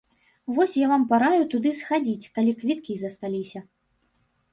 Вось я вам параю туды схадзіць, калі квіткі засталіся.